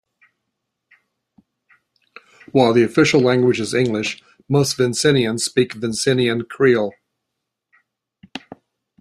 While the official language is English most Vincentians speak Vincentian Creole.